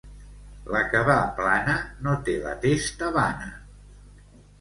La que va plana, no té la testa vana.